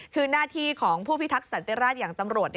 คือหน้าที่ของผู้พิทักษันติราชอย่างตำรวจ